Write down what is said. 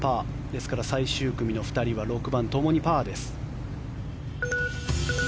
ですから最終組の２人は６番はともにパーです。